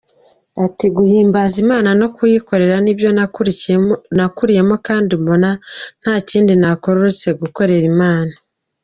Ati”Guhimbaza Imana no kuyikorera nibyo nakuriyemo kandi mbona ntakindi nakora uretse gukorera Imana.